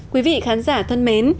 quý vị khán giả thân mến